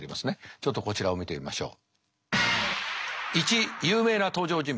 ちょっとこちらを見てみましょう。